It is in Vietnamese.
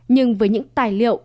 nhưng với những tài liệu